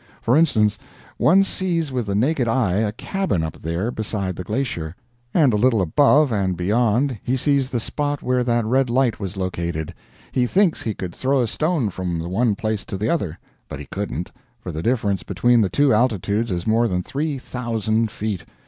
For instance, one sees with the naked eye a cabin up there beside the glacier, and a little above and beyond he sees the spot where that red light was located; he thinks he could throw a stone from the one place to the other. But he couldn't, for the difference between the two altitudes is more than three thousand feet.